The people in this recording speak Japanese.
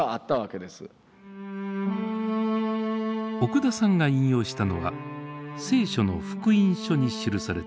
奥田さんが引用したのは聖書の福音書に記された奇跡の物語です。